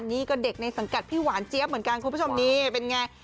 นี่ก็เด็กในสังกัดพี่หวานเจี๊ยบเหมือนกันคุณผู้ชมนี่เป็นไง